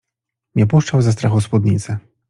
Nie puszczał ze strachu spódnicy.